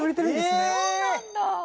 そうなんだ！